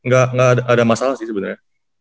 gak ada masalah sih sebenernya